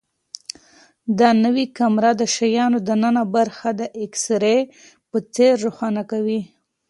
دا نوې کامره د شیانو دننه برخه د ایکس ری په څېر ښکاره کوي.